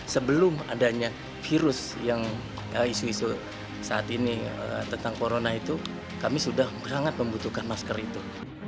sebelum adanya virus yang isu isu saat ini tentang corona itu kami sudah sangat membutuhkan masker itu